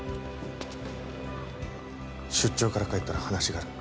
出張から帰ったら話がある。